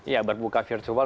ya berbuka virtual